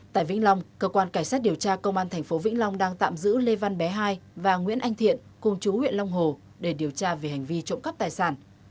tại vĩnh long cơ quan cảnh sát điều tra công an tp vĩnh long đang tạm giữ lê văn bé hai và nguyễn anh thiện cùng chú huyện long hồ để điều tra về hành vi trộm cắp tài sản